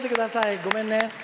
ごめんね。